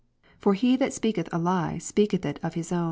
For he that speaketh a lie, speaketh it of his own.